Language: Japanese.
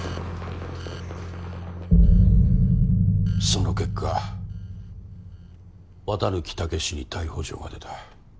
その結果綿貫猛司に逮捕状が出た。